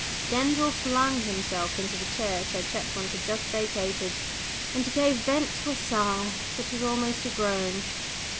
Denzil flung himself into the chair Sir Chetwynd had just vacated, and gave vent to a sigh that was almost a groan.